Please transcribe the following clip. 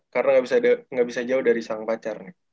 karena gak bisa jauh dari sang pacar